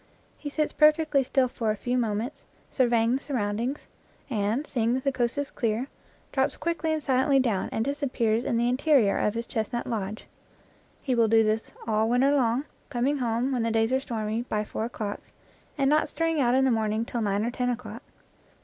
He sits perfectly still for a few moments, surveying the surroundings, and, seeing that the coast is clear, drops quickly and 88 IN FIELD AND WOOD silently down and disappears in the interior of his chestnut lodge. He will do this all winter long, com ing home, when the days are stormy, by four o'clock, and not stirring out in the morning till nine or ten o'clock.